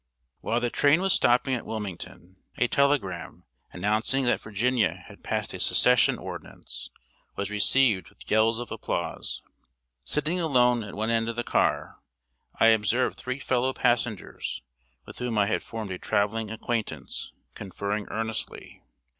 While the train was stopping at Wilmington, a telegram, announcing that Virginia had passed a Secession ordinance, was received with yells of applause. Sitting alone at one end of the car, I observed three fellow passengers, with whom I had formed a traveling acquaintance, conferring earnestly.